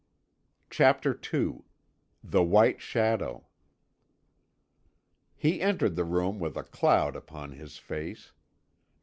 CHAPTER II THE WHITE SHADOW He entered the room with a cloud upon his face.